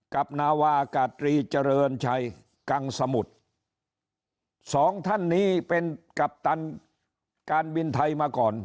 นาวาอากาศตรีเจริญชัยกังสมุทรสองท่านนี้เป็นกัปตันการบินไทยมาก่อน